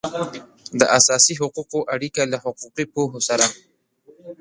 د اساسي حقوقو اړیکه له حقوقي پوهو سره